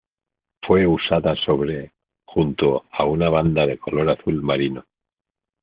Fue usada sobre junto a una banda de color azul marino.